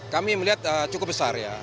kami melihat cukup besar ya